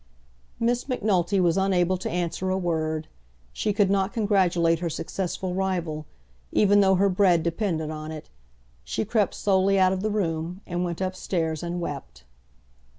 Miss Macnulty was unable to answer a word. She could not congratulate her successful rival, even though her bread depended on it. She crept slowly out of the room, and went up stairs, and wept.